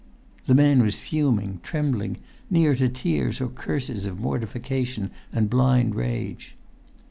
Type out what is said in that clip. The man was fuming, trembling, near to tears or curses of mortification and blind rage.